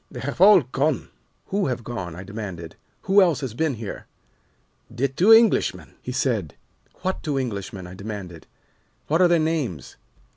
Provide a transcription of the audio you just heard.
They have all gone.' "'Who have gone?' I demanded. 'Who else has been here?' "'The two Englishmen,' he said. "'What two Englishmen?' I demanded. 'What are their names?